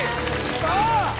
さあ！